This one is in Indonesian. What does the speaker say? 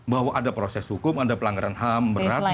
bahwa ada proses hukum ada pelanggaran ham berat